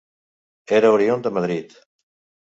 Era oriünd de Madrid.